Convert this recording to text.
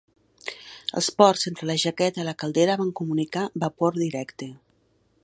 Els ports entre la jaqueta i la caldera van comunicar vapor directe.